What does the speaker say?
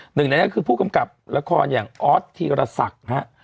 หนึ่งในนั้นคือผู้กำกับละครอย่างออสธีรศักดิ์ฮะ